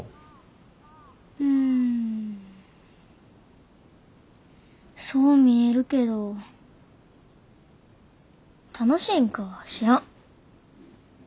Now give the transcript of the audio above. うんそう見えるけど楽しいんかは知らん。